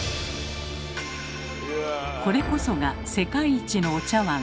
これこそが世界一のお茶わん。